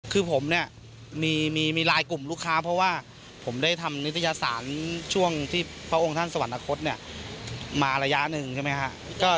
คือผมเนี่ยมีลายกลุ่มลูกค้าเพราะว่าผมได้ทำนิตยสารช่วงที่พระองค์ท่านสวรรคตเนี่ยมาระยะหนึ่งใช่ไหมครับ